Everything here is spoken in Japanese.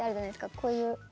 こういう。